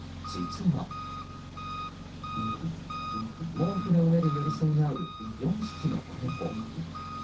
毛布の上で寄り添い合う４匹の子猫。